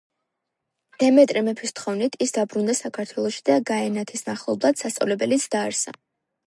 დემეტრე მეფის თხოვნით ის დაბრუნდა საქართველოში და გაენათის მახლობლად სასწავლებელიც დააარსა.